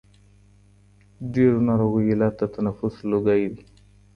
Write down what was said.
ډېرو ناروغیو علت د تنفس لوګی دی.